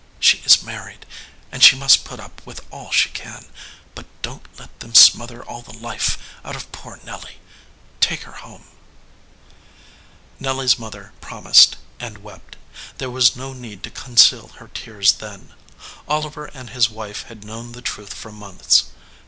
"She is married, and she must put up with all she can, but don t let them smother all the life out of poor Nelly. Take her home." 199 EDGEWATER PEOPLE Nelly s mother promised, and wept. There was no need to conceal her tears then. Oliver and his wife had known the truth for months.